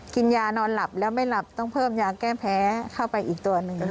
กินยานอนหลับแล้วไม่หลับต้องเพิ่มยาแก้แพ้เข้าไปอีกตัวหนึ่ง